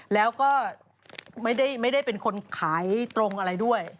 แล้วก็ไม่ได้เป็นคนขายตรงอะไรด้วย